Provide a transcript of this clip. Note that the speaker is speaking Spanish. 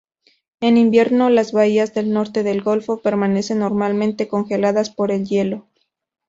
En invierno, las bahías del norte del golfo permanecen normalmente congeladas por el hielo.